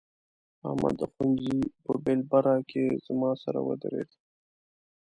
احمد د ښوونځي په بېلبره کې زما سره ودرېد.